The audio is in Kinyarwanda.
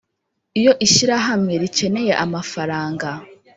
iyo ishyirahamwe rikeneye amafaranga